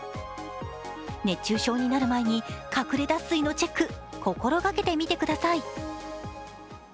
熱中症になる前に隠れ脱水のチェック心がけてみてください。